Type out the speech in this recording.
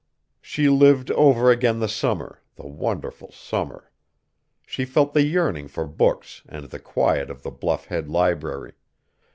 She lived over again the summer, the wonderful summer. She felt the yearning for books and the quiet of the Bluff Head library.